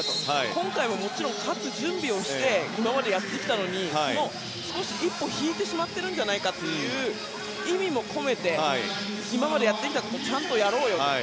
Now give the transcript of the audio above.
今回はもちろん勝つ準備をして今までやってきたのに一歩引いてしまっているという意味も込めて今までやってきたことをちゃんとやろうよ。